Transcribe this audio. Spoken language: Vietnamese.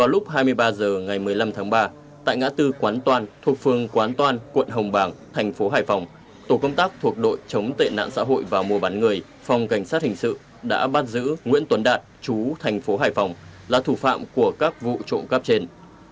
lúc hai mươi ba h ngày một mươi năm tháng ba tại ngã tư quán toàn thuộc phương quán toan quận hồng bàng thành phố hải phòng tổ công tác thuộc đội chống tệ nạn xã hội và mua bán người phòng cảnh sát hình sự đã bắt giữ nguyễn tuấn đạt chú thành phố hải phòng là thủ phạm của các vụ trộm cắp trên